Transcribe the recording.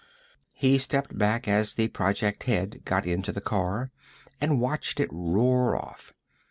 He stepped back as the project head got into the car, and watched it roar off.